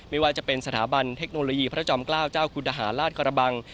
ไม่ว่าจะเป็นสถาบันเทคโนโลยีพระจอมเกล้าเจ้าคุณทหารราชกระบัง